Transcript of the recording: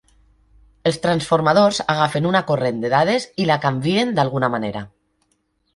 Els transformadors agafen una corrent de dades i la canvien d'alguna manera.